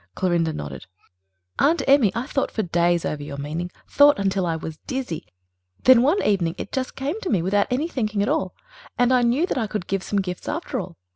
Clorinda nodded. "Aunt Emmy, I thought for days over your meaning ... thought until I was dizzy. And then one evening it just came to me, without any thinking at all, and I knew that I could give some gifts after all.